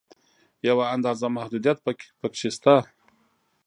یوه اندازه محدودیت په کې شته.